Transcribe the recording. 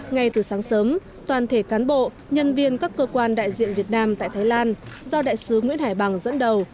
ngay từ sáng sớm toàn thể cán bộ nhân viên các cơ quan đại diện việt nam tại thái lan do đại sứ nguyễn hải bằng dẫn đầu